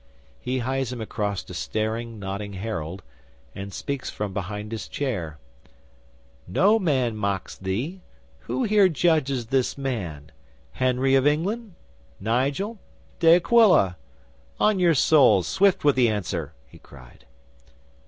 'He hies him across to staring, nodding Harold, and speaks from behind his chair. '"No man mocks thee, Who here judges this man? Henry of England Nigel De Aquila! On your souls, swift with the answer!" he cried.